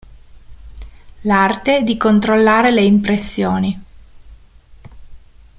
L'arte di controllare le impressioni